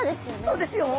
そうですよ！